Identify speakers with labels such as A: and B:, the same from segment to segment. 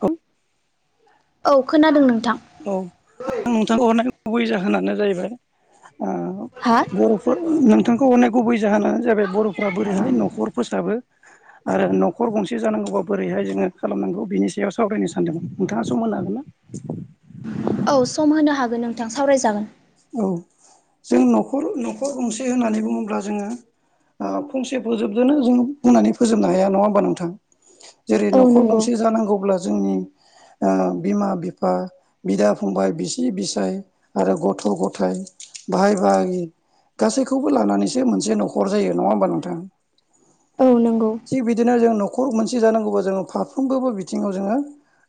A: औ
B: औ खोनादों नों
A: औ आं नोंथांखौ हरनाय गुबै जाहोनानो जाहैबाय ओ
B: हा?
A: बर'फोर नोंथांखौ अनेक गुबै जाहोनानो जाबाय बर'फ्रा बोरैहाय न'खर फोसाबो आरो न'खर गंसे जानांगौबा बोरैहाय जोङो खालामनांगौ बिनि सायाव सावरायनो सानदोंमोन नोंथाङा सम होनो हागोन ना?
B: औ सम होनो हागोन नोंथां सावरायजागोन
A: औ जों न'खर न'खर गंसे होननानै बुङोब्ला जोङो ओ फंसे फोजोबदोनो जों बुंनानै फोजोबनो हाया नङा होमबा नोंथां? जेरै
B: औ
A: न'खर
B: नंगौ
A: गंसे जानांगौब्ला जोंनि ओ बिमा बिफा बिदा फंबाय बिसि बिसाय आरो गथ' गथ' गथाय बाहाय बाहागि गासैखौबो लानानैसो मोनसे न'खर जायो नङा होमबा नोंथां?
B: औ नंगौ
A: थिग बिदिनो जों न'खर मोनसे जानांगौबा जोङो फारफ्रोमबोबो बिथिंआव जोङो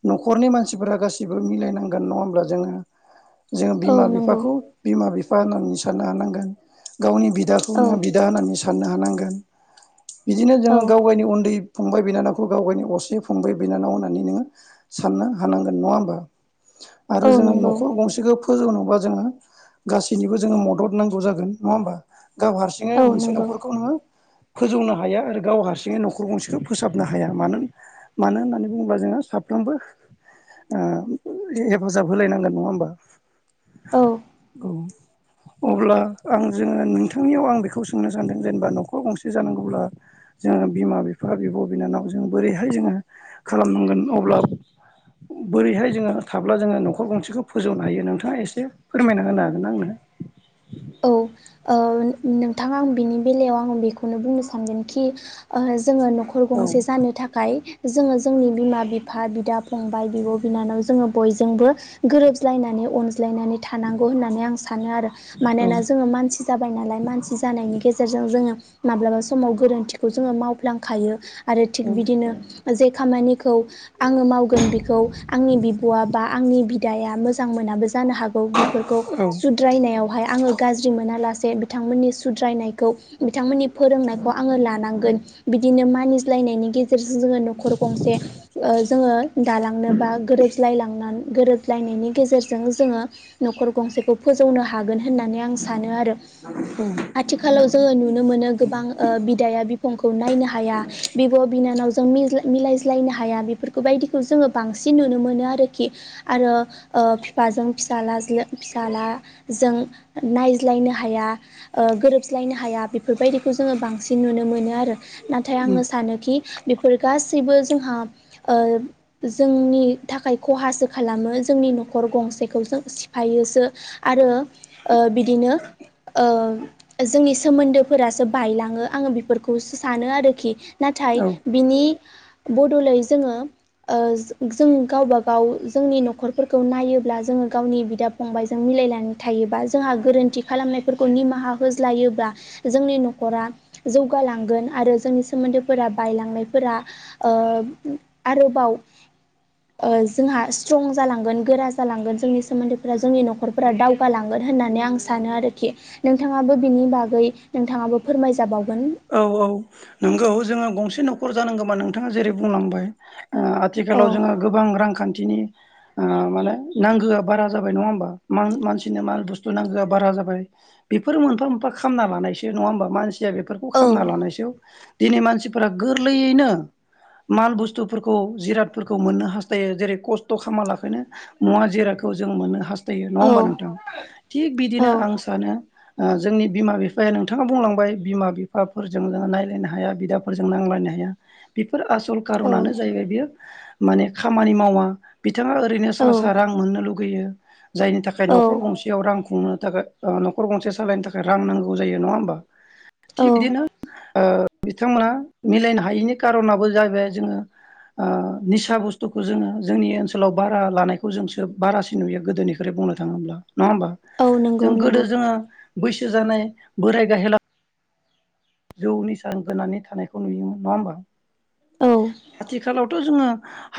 A: न'खरनि मानसिफोरा गासिबो मिलायनांगोन नङा होमब्ला जोङो जोङो
B: औ
A: बिमा
B: नंगौ
A: बिफाखौ बिमा बिफा होननानै साननो हानांगोन गावनि बि बिदाखौ
B: औ
A: नोङो बिदा होननानै साननो हानांगोन बिदिनो
B: औ
A: जोङो गावनि उन्दै फंबाय बिनानावखौ गावगायनि असे फंबाय बिनानाव होननानै नोङो साननो हानांगोन नङा होमबा? आरो
B: औ
A: जोङो
B: नंगौ
A: न'खर गंसेखौ फोजौनोबा जोङो गासैनिबो जोङो मदद नांगौ जागोन नङा होमबा? गाव हारसिङै
B: औ
A: मोनसे
B: नंगौ
A: न'खरखौ नोङो फोजौनो हाया आरो गाव हारसिङै न'खर गंसेखौ फोसाबनो हाया मानो मानो होननानै बुङोब जोंहा सा फ्रोमबोबो ओ हेफाजाब होलायनांगोन नङा होमबा औ अब्ला आं जोङो नोंथांनियाव आं बेखौ सोंनो सान्दों जेनेबा न'खर गंसे जानांगौब्ला जोङो बिमा बिफा बिब' बिनानाव जोङो बोरैहाय जोङो खालामनांगोन अब्ला बोरैहाय जोङो थाब्ला जोङो न'खर गंसेखौ फोजौनो हायो नोंथाङा एसे एसे फोरमायना होनो हागोना आंनो
B: औ ओ नोंथाङा आं बिनि बेलायाव आं बेखौनो बुंनो सानगोन खि जोङो न'खर
A: औ
B: गंसे जानो थाखाय जोङो जोंनि बिमा बिफा बिदा फंबाय बिब' बिनानाव जोङो बयजोंबो गोरोबज्लायनानै अनज् अनज्लायनानै थानांगौ होननानै आं सानो आरो। अनलायना
A: औ
B: जोङो मानसि जाबाय नालाय मानसि जानायनि गेजेरजों जोङो माब्लाबा समाव गोरोन्थिखौ जोङो मावफ्लांखायो आरो थिग बिदिनो जे खामानिखौ आङो मावगोन बिखौ आंनि बिब'आ बा आंनि बि बिदाया मोजां मोनाबो जानो हागौ बिफोरखौ
A: औ
B: सुद्रायनायावहाय आङो गाज्रि मोनालासे बिथांमोननि सुद्रायनायखौ बिथांमोननि फोरोंनायखौ आङो लानांगोन बिदिन नो मानिज्लायनायनि गेजेरजों जोङो न'खर गंसे ओ जोङो दालांनो बा गोरोबज्लाय लांना गोरोब लायनायनि गेजेरजों जोङो न'खर गंसेखौ फोजौनो हागोन होननानै आं सा सानो आरो आथिखालाव जोङो नुनो मोनो गोाबां ओ बिदाया बिफंखौ नायनो हाया बिब' बिनानाव जों मिज्लाय मिलायज्लायनो हाया बेफोरखौ बायदिखौ जोङो बांसिन सिन नुनो मोनो आरोखि आरो ओ बिफाजों फिसालाज्लों फिसालाजों नायज्लायनो हाया ओ गोरोबज्लायनो हाया बेफोरबायदिखौ जोङो बांसिन नुनो मोनो आरो। नाथाय आङो सानोखि बेफोरो गासै बो जोंहा ओ जोंनि थाखाय खहासो खालामो जोंनि न'खर गं गंसेखौ जों सिफायोसो आरो ओ बिदिनो ओ जोंनि सोमोन्दोफोरासो बायलाङो आङो बेफोरखौसो सानो आरोखि नाथाय
A: औ
B: बिनि बदलै जोङो ओ जो जों गावबा गाव जोंनि न'खरफोरखौ नायोब्ला जोङो गावनि बिदा फंबायजों मि मिलायनानै थायोबा जों जोंहा गोरोन्थि खालामनायफोरखौ निमाहा होज्लायोब्ला जोंनि न'खरा जौगालांगोन। आरो जोंनि सोमोन्दोफोरा बायलांनायफोरा ओ आरोबाव ओ जोंहा स्ट्रं जालांगोन गोरा जालांगोन जोंनि सोमोन्दोफोरा जोंनि न'खरफोरा दावगाालां गोन होननानै आं सानो आरोखि नोंथाङाबो बिनि बागै नोंथाङाबो फोरमाय जाबावगोन।
A: औ औ नोंगौ जोङो गंसे न'खर जानांगोबा नोंथाङा जेरै बुंलांबाय ओ
B: औ
A: आथिखालाव जोङो गोबां रांखान थिनि ओ माने नांगोआ बारा जाबाय नङा होमबा मान मानसिनि माल बुसथु नांगोआ बारा जाबाय बिफोर मोनफा मोनफा खामना लानायसो नङा होमबा मानसिया बेफोरखौ
B: औ
A: खामना लानायसो दिनै मानसिफोरा गोरलैयैनो माल बुस्थुफोरखौ जिरादफोरखौ मोननो हास थायो जेरै खस्थ' खामालाखैनो मुवा जिराखौ जों मोननो हास्थायो। नङा
B: औ
A: होमबा नोंथां थिग
B: औ
A: बिदिनो आं सानो ओ जोंनि बिमा बिफाया नोंथाङा बुंलांबाय बिमा बि फाफोरजों जोङो नायलायनो हाया बिदाफोरजों नांलायनो हाया बि फोर आसल खारनानो जाहैबाय बियो माने खामानि मावा बिथाङा ओरैनो
B: औ
A: सा सा रां मोननो लुगैयो। जायनि थाखाय न'खर
B: औ
A: गंसेयाव रां खुंनो थाखाय ओ न'खर गंसे सालायनो थाखाय रां नांगौ जायो नङा होमबा। थिक
B: औ
A: बिदिनो ओ बिथांमोना मिलायनो हायैनि कार'नाबो जाहैबाय जोङो ओ निसा बुस्थुखौ जोङो जोंनि ओनसोलाव बारा लानायखौ जोंसो बारासिन नुयो गोदोनिख्रुइ बुंनो थाङोब्ला नङा होमबा।
B: औ नंगौ
A: जों गोदो
B: नंगौ
A: जोङो बैसो जानाय बोराय गाहेला जौनि निसांगोनानै थानायखौ नुयोमोन नङा होमबा।
B: औ
A: आथिखालावथ' जोङो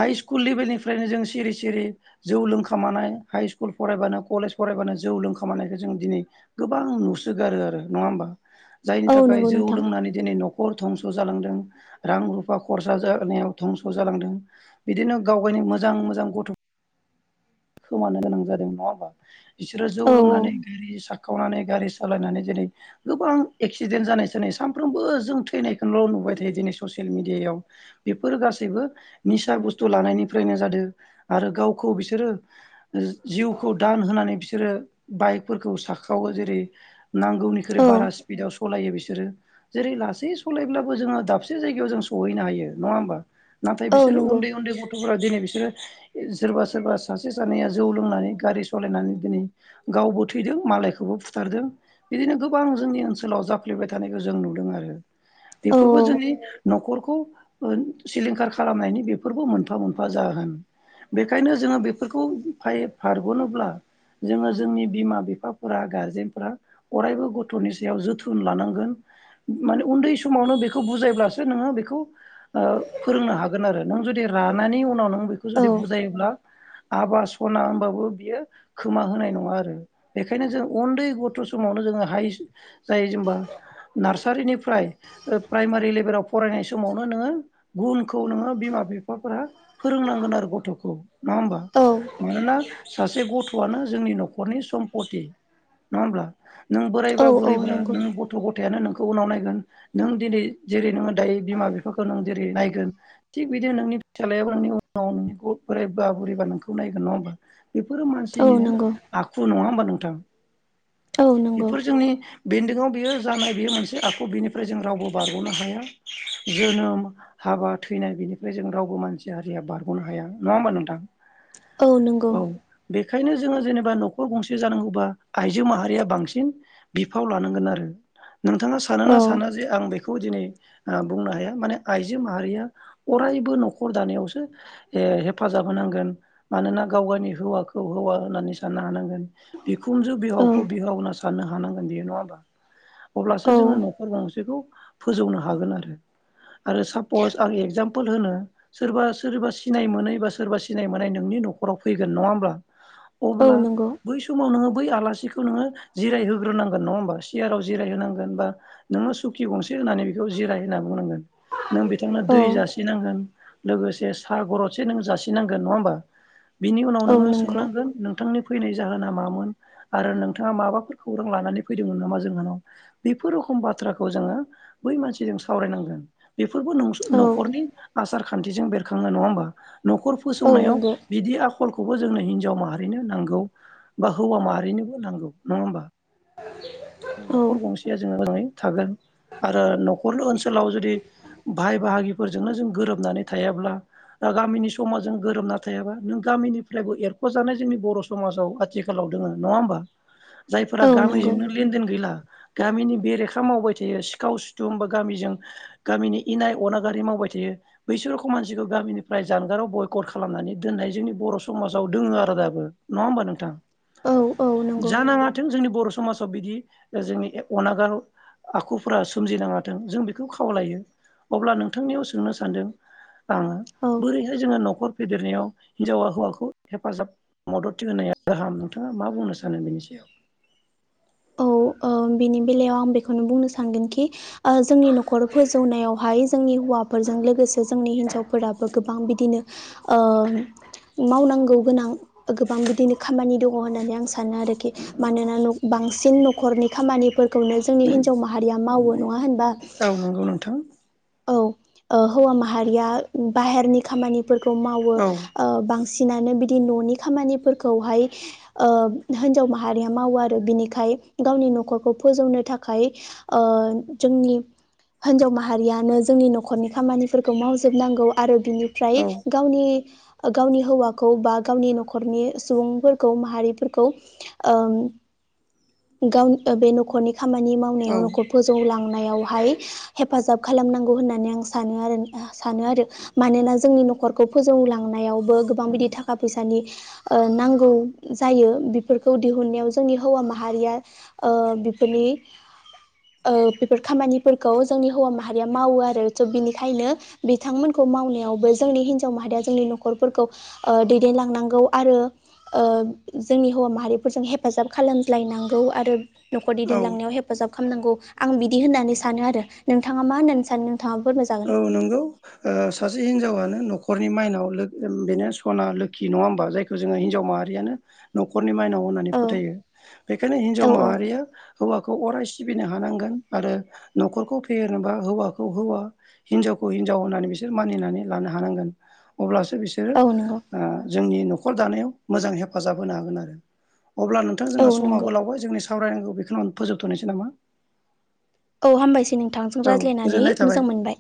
A: हाइ स्कुल लेभेलनिफ्रायनो जों सिरि सिरि जौ लोंखामानाय हाइ स्कुल फरायबानो कलेज फराय फरायबानो जौ लोंखामानायखो जों दिनै गोबां नुसोगारो आरो नङा होमबा। जायनि
B: औ
A: थाखाय
B: नंगौ
A: जौ
B: नोंथां
A: लोंनानै दिनै न'खर धंस' जालांदों रां रुफ फा खरसा जानायाव धंस' जालांदों बिदिनो गाव गायनि मोजां मोजां गथ' खोमानो गोनां जादों नङा होमबा बिसोरो जौ
B: औ
A: लोंनानै गारि साखावनानै गारि सालायनानै जेरै गोबां एक्सिडेन जानाय सानाय सानफ्रोमबो जों थैनायखौल' नुबाय थ यो दिनै ससियेल मिडियायाव बिफोर गासैबो निसा बुस्थु लानायनिफ्रायनो जादो आ रो गावखौ बिस जि जिउखौ दान होनानै बिसोरो बाइकफोरखौ साखावो जेरै नांगौनिकै
B: औ
A: बारा स्पिडआव स लायो बिसोरो जेरै लासै सालायब्लाबो जोङो दाबसे जायगायाव जों सहैनो हायो नङा होमबा। नाथाय
B: औ
A: बिसोरो
B: नंगौ
A: उन्दै उन्दै गथ'फोरा दिनै बिसोरो सोरबा सोरबा सासे सानैया जौ लोंनानै गारि सलायनानै दिनै गावबो थैदों मालायखौबो फुथारदों बिदिनो गोबां जोंनि ओनसोलाव जाफ्लेबाय थानायखो जों नुदों आरो
B: औ
A: बेफोरबो जोंनि न'खरखौ ओरों सिलिंखार खालामनायनि बिफोरबो मोनफा मोनफा जाहोन बेखायनो जोङो बे फोरखौ फाय फारग'नोब्ला जोङो जोंनि बिमा बिफाफोरा गारजेनफोरा अरायबो गथ'नि सायाव जोथोन लानांगोन माने उन्दै समावनो बिखौ बुजायब्लासो नोङो बेखौ ओ फोरोंनो हागोन आरो नों जुदि रानानै उनाव नों बेखौ
B: औ
A: जुदि बुजायोब्ला आबा सना होनबाबो बियो खोमा होनाय नङा आरो। बेखायनो जों उन्दै गथ' समावनो जोङो ह्साइ जायो जेनेबा नार्सारिनिफ्राय ओ प्राइमारि लेभेलाव फरायनाय समावनो नोङो गुनखौ नोङो बिमा बिफ बिफाफोरा फोरोंनांगोन आरो गथ'खौ नङा होमबा
B: औ
A: मानोना सासे गथ'आनो जोंनि न'खरनि सम्पति नङा होमब्ला। नों बोराइबा
B: औ औ
A: बुरैब्ला
B: नंगौ
A: नों गथ' गथायानो नों उनाव नायगोन नों दिनै जेरै नोङो दायो बिमा बिफाखौ नों जेरै नायगोन थिग बिदिनो नोंनि फिसालायाबो नोंनि उनाव नोंनि बोरायै बा बुरिबा नोंखो खौ नायगोन नङा होमबा। बेफोरो
B: औ
A: मानसिनिनो
B: नंगौ
A: आखु नङा होमबा नोंथां।
B: औ नंगौ
A: बेफोर जोंनि बेन्दोंआव बियो जानाय बेयो मोनसे आखु बेनिफ्राय जों रावबो बारगनो हाया [unintelligible] जोनोम हाबा थैनाय बेनिफ्राय जों रावबो मानसि हारिया बारगनो हाया नङा होमबा नोंथां
B: औ नंगौ
A: औ बेखायनो जोङो जेनेबा नखर गंसे जानांगौबा आइजो माहारिया बांसिन बिफाव लानांगोन आरो नोंथाङा सानो
B: औ
A: ना साना जे आं बेखौ दिनै ओ बुंनो हाया माने आइजो माहारिया अरा रायबो नखर दानायावसो ए हेफाजाब होनांगोन मानोना गाव गावनि हौवाखौ हौवा होननानै सा साननो हानांगोन बिखुनजो
B: औ
A: बिहावखौ बिहाव होनना साननो हानांगोन बेयो नङा होमबा अब्लासो
B: औ
A: जोङो नखर गंसेखौ फोजौनो हागोन आरो आरो सापस आरो एक्जामपोल होनो सोरबा सोरबा सिनाय मोनै बा सोरबा सिनाय मोननाय नो नि नखराव फैगोन नङा होनबा
B: औ
A: अब्ला
B: नंगौ
A: बै समाव नोङो बै आलासि खौ नोङो जिराय होग्रोनांगोन नङा होनबा सियाराव जिराय होनांगोन बा नोङो सुखि गंसे होनानै बेखौ जिराय होनना बुंनांगोन नों बिथांनो दै
B: औ
A: जासिनांगोन लोगोसे सा गरदसे नों जासिनांगोन नङा होमबा बिनि उनाव
B: औ
A: नोङो
B: नंगौ
A: सोंनांगोन नोंथांनि फैनाय जाहोना मामोन आरो नोंथाङा माबाफोर खौरां लानानै फैदोंमोन नामा जोंनाव बे बेफोर रोखम बाथ्राखौ जोङो बै मानसिजों सावरायनांगोन बे बेफोरबो नस
B: औ
A: नखरनि आसार खान्थिजों बेरखाङो नङा होमबा नखर
B: औ
A: फोसौनायाव
B: नंगौ
A: बे आखलखौबो जोंनो हिनजाव माहारिनो नांगौ बा हौवा माहारिनोबो नांगौ नङा होमबा
B: ओ
A: नखर गंसेया जों मोजाङै थागोन आरो नखरल ओनसोलाव जुदि बाय बाहागिफोरजोंनो जों गोरोबनानै थायाब्ला दा गामिनि समाजजों गोरोबनानानै थायाबा नों गामिनिफ्रायबो एरखजानाय जोंनि बर समाजाव आथिखालाव दोङो नङा होमबा जायफोरा
B: औ नंगौ
A: गामिजोंनो लेनदेन गैला गामिनि बेरेखा मावबाय थायो सिखाव सिथुं बा गामिजों गामिनि इनाय अनागारि मावबाय थायो थायो बैसोर दोननाय जोंनि बर समाजाव दोङो आरो दाबो नङा होमबा नोंथां
B: औ औ नंगौ
A: जानाङाथों जोंनि बर समाजाव बिदि जोंनि ओ ए अनागाराव आखुफोरा सोमजिनाङाथों जों बेखौ खावलायो अब्ला नोंथांनियाव सोंनो सानदों आङो
B: औ
A: बोरैहाय जोङो नखर फेदेरनायाव हिनजावा हौवाखौ हेफाजाब मदद होनाया गाहाम नोंथाङा मा बुंनो सानो बेनि सायाव [inaudible]
B: औ ओ बिनि बेलायाव आं बेखौनो बुंनो सानगोन कि ओ जोंनि नखर फोजौनायावहाय जों जोंनि हौवाफोरजों लोगोसे जोंनि हिनजावफोराबो गोबां बिदिनो ओ मावनांगौ गोनां गोबां बिदिनो खामानि दङ होननानै आं सानो आरोखि मानोना न बांसिन नख नखरनि खामानिफोरखौनो जोंनि हिनजाव माहारिया मावो नङा होनबा
A: औ नंगौ नोंथां
B: औ ओ हौवा माहारिया बाहेरनि खामानिफोरखौ मावो ओ
A: औ
B: बांसिन बांसिनानो बिदि ननि खामानिफोरखौहाय ओ हिनजाव माहारिया मावो आरो बिनिखाय गावनि नखरखौ फोजौनो थाखाय ओ जोंनि हिनजाव माहारियानो जोंनि नखरनि खामानिफोरखौ मावजोबनांगौ आरो बिनिफ्राय
A: औ
B: गावनि ओ गावनि हौवाखौ बा गावनि नखरनि सुबुंफोरखौ माहारिफोरखौ ओम
A: [inaudible]
B: गाव ओ बे नखरनि खामानि मावनायाव
A: औ
B: नखर फोजौलां नायावहाय हेफाजाब खालामनांगौ होननानै आं सानो आरो न सानो आरो मानोना जोंनि नखरखौ फोजौलांनायावबो गोबां बिदि थाखा फैसानि ओ नांगौ जायो बि बेफोरखौ दिहुननायाव जोंनि हौवा माहारिया ओ बेफोरनि बेफोर खामानिफोरखौ जोंनि हौवा माहारिया मावो आरो स' बिनिखायनो बिथांमोनखौ मावनायावबो जोंनि हिनजाव माहारिया जोंनि न'खरफोरखौ ओ दैदेनलांनांगौ आरो ओ जोंनि हौवा माहारिफोरजों हेफाजाब खालामज्लायनांगौ आरो न'खर
A: औ
B: दैदेनलांनायाव हेफाजाब खालामनांगौ आं बिदि होननानै सानो आरो नोंथाङा मा होननानै सानो? नोंथाङा फोरमायजागोन
A: औ नंगौ सासे हिनजावनो न'रनि माइनाव लोक ओ बेनो सना लोखि नङा होमबा जाय जो हिनजाव माहारियनो न'ख रनि माइनाव होननानै
B: औ
A: फोथायो। बेखायनो हिनजाव
B: औ औ
A: माहारिया हौवाखौ अराय स सिबिनो हानांगोन आरो न'खरखौ फेहेरनोबा हौवाखौ हौवा हिनजावखौ हिनजाव होननानै बिसोर मानिनानै लानो हानांगोन। अब्लासो बिसोरो
B: औ नंगौ
A: ओ जोंनि न'खर दानायाव मोजां हेफाजाब होनो हागोन आरो। अब्ला नोंथां
B: औ
A: जोंहा
B: नंगौ
A: समाबो लावबाय जोंनि सावरायनांगौ बेखौनो आं फोजोबथ'नोसै नामा?
B: औ हामबायसै नोंथांजों
A: औ
B: रायज्लायनानै
A: गोजोननाय थाबाय
B: मोजां मोनबाय।